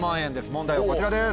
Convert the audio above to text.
問題はこちらです。